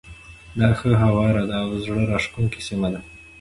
دا ښه هواداره او زړه راکښونکې سیمه ده.